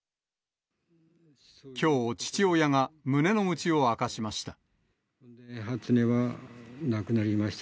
きょう、父親が胸の内を明かしました。